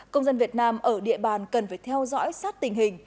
công dân việt nam ở địa bàn cần phải theo dõi sát tình hình